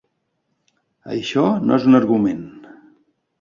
Això no és un argument.